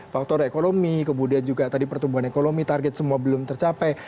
faktor ekonomi kemudian juga tadi pertumbuhan ekonomi target semua belum tercapai